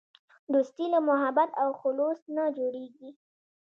دوستي له محبت او خلوص نه جوړیږي.